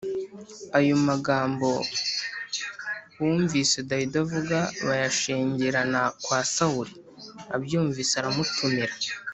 Ayo magambo bumvise Dawidi avuga bayashengerana kwa Sawuli, abyumvise aramutumira.